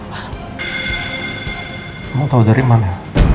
kamu tau dari mana